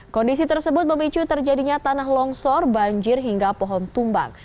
kondisi tersebut memicu terjadinya tanah longsor banjir hingga pohon tumbang